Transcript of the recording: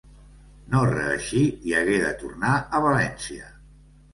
No reeixí i hagué de tornar a València.